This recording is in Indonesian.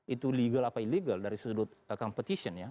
itu legal atau illegal dari sudut kompetisi ya